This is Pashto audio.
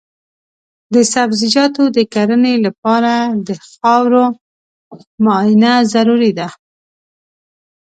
د سبزیجاتو د کرنې لپاره د خاورو معاینه ضروري ده.